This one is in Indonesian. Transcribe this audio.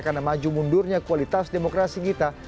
karena maju mundurnya kualitas demokrasi kita